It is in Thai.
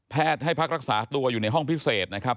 ให้พักรักษาตัวอยู่ในห้องพิเศษนะครับ